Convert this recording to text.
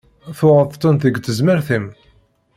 Tuɣeḍ-tent deg tezmert-im.